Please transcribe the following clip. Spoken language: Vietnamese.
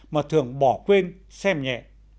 mà thường bỏ quên xem nhẹ